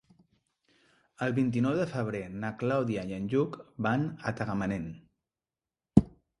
El vint-i-nou de febrer na Clàudia i en Lluc van a Tagamanent.